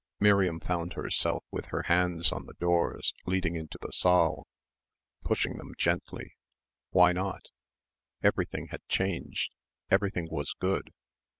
Miriam found herself with her hands on the doors leading into the saal, pushing them gently. Why not? Everything had changed. Everything was good.